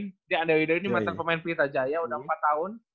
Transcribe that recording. jadi ander ido ini masih pemain pelita jaya udah empat tahun